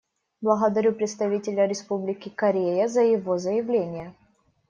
Благодарю представителя Республики Корея за его заявление.